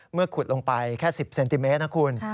เมื่อขุดลงไปแค่๑๐เซนติเมตรนะครับคุณ